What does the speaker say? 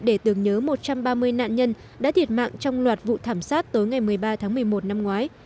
để tưởng nhớ một trăm ba mươi nạn nhân đã thiệt mạng trong loạt vụ thảm sát tối ngày một mươi ba tháng một mươi một năm ngoái